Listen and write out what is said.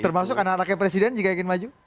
termasuk anak anaknya presiden jika ingin maju